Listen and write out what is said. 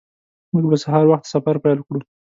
موږ به سهار وخته سفر پیل کړو